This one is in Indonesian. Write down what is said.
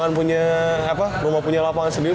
maksudnya lu mau punya lapangan sendiri